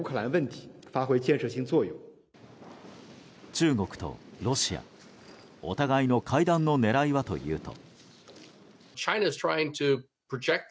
中国とロシアお互いの会談の狙いはというと。